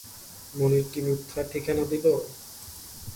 মুনির কি মিথ্যা ঠিকানা দিল?